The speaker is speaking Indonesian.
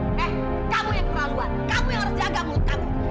eh kamu yang kelaluan kamu yang harus jaga mulut kamu